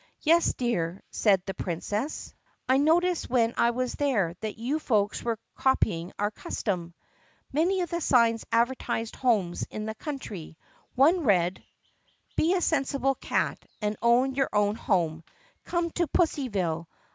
"Yes, dear," said the Princess, "I noticed when I was there that you folks were copying our custom." Most of the signs advertised homes in the country. One read : BE A SENSIBLE CAT AND OWN YOUR OWN HOME COME TO PUSSYVILLE!